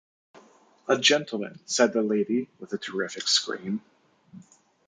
‘A gentleman!’ said the lady, with a terrific scream.